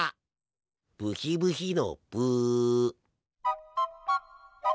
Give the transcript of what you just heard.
ブヒブヒのブ。